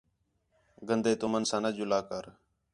گندے تُمن ساں نہ جلا کر